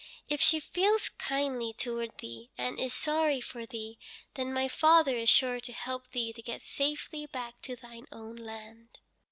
If she feels kindly towards thee and is sorry for thee, then my father is sure to help thee to get safely back to thine own land."